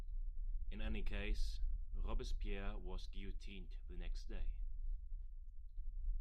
In any case, Robespierre was guillotined the next day.